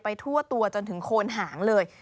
ทั่วตัวจนถึงโคนหางเลย